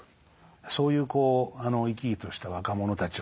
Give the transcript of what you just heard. そういう生き生きとした若者たちをね